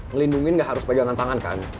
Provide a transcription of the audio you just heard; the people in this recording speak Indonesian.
ngelindungin nggak harus pegangan tangan kan